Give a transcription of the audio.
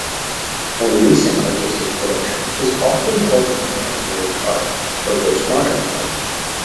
More recent artistic production is often called contemporary art or postmodern art.